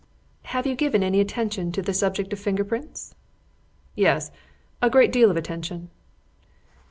"Have you given any attention to the subject of finger prints?" "Yes. A great deal of attention."